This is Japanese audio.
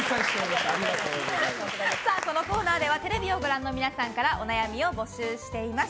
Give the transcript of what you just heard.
このコーナーではテレビをご覧の皆さんからお悩みを募集しています。